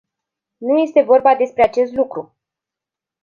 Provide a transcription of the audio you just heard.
Nu este vorba despre acest lucru!